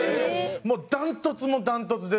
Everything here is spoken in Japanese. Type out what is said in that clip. もう断トツも断トツで。